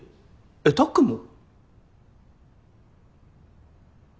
えったっくんも？